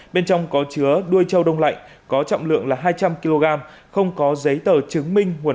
bên trong có chứa đuôi trâu đông lạnh có trọng lượng là hai trăm linh kg không có giấy tờ chứng minh nguồn gốc xuất xứ